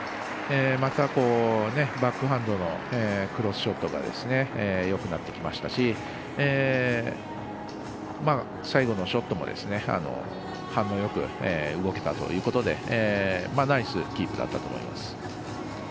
また、バックハンドのクロスショットがよくなってきましたし最後のショットも反応よく動けていたということでナイスキープだったと思います。